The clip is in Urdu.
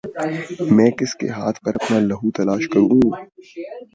میں کس کے ہاتھ پر اپنا لہو تلاش کروں